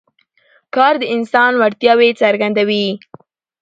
کار د انسان وړتیاوې څرګندوي